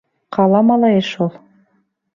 Ҡала малайы шул.